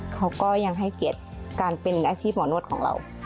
เขาก็ยังให้เกียรติการเป็นอาชีพหมอนวดของเรา